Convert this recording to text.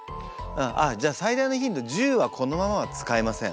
じゃあ最大のヒント１０はこのままは使えません。